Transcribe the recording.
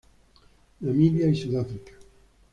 Namibia y Sudáfrica.